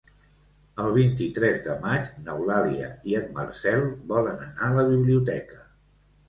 El vint-i-tres de maig n'Eulàlia i en Marcel volen anar a la biblioteca.